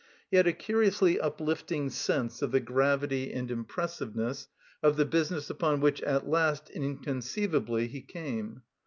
He had a curiously uplifting sense of the gravity and impressiveness of the business upon which at last, inconceivably, he came.